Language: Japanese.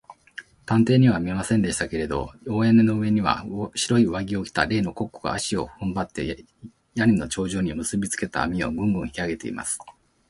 探偵には見えませんでしたけれど、大屋根の上には、白い上着を着た例のコックが、足をふんばって、屋根の頂上にむすびつけた綱を、グングンと引きあげています。